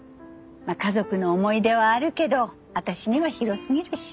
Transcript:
まあ家族の思い出はあるけど私には広すぎるし。